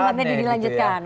nanti dia dilanjutkan